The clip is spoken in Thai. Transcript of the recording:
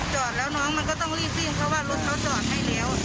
จอดแล้วน้องมันก็ต้องรีบสิ้นเพราะเร็ว